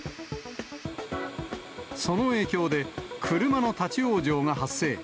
その影響で、車の立往生が発生。